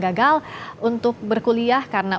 gagal untuk berkuliah karena